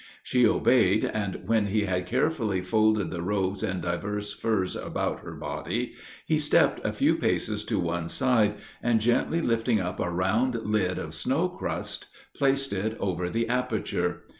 She obeyed, and when he had carefully folded the robes and divers furs about her body, he stepped a few paces to one side, and gently lifting up a round lid of snow crust, placed it over the aperture.